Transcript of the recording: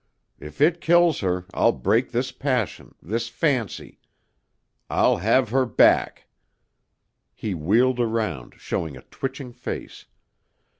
If it kills her, I'll break this passion, this fancy. I'll have her back " He wheeled round, showing a twitching face.